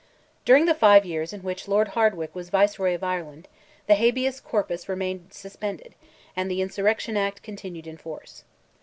During the five years in which Lord Hardwicke was Viceroy of Ireland, the habeas corpus remained suspended, and the Insurrection Act continued in force.